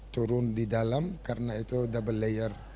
turun di dalam karena itu double layer